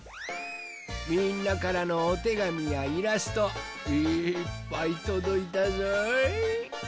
みんなからのおてがみやイラストいっぱいとどいたぞい。